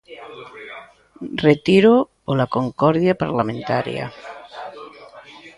Retíroo pola concordia parlamentaria.